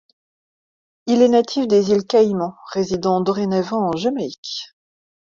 Il est natif des îles Caïmans résidant dorénavant en Jamaïque.